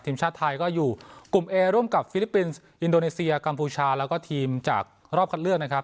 ทีมชาติไทยก็อยู่กลุ่มเอร่วมกับฟิลิปปินส์อินโดนีเซียกัมพูชาแล้วก็ทีมจากรอบคัดเลือกนะครับ